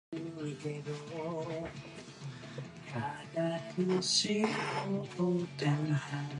Among the prisoners were also some Catholics.